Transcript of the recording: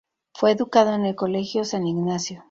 Fue educado en el Colegio San Ignacio.